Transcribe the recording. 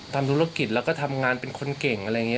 ทำธุรกิจแล้วก็ทำงานเป็นคนเก่งอะไรอย่างนี้